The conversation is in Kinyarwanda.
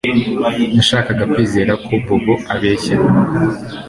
Nashakaga kwizera ko Bobo abeshya